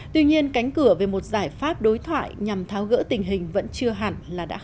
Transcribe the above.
tuy nhiên cánh cửa về một giải pháp đối thoại nhằm tháo gỡ tình hình vẫn chưa hẳn